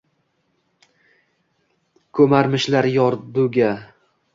Ko’marmishlar yorduga.